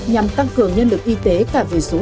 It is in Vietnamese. nhằm tăng cường nhân lực y tế cả về số lượng